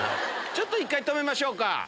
ちょっと１回止めましょうか。